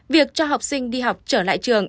việc cho học sinh đi học trở lại trường